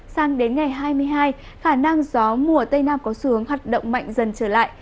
sang đến ngày hai mươi hai khả năng gió mùa tây nam có xu hướng hoạt động mạnh dần trở lại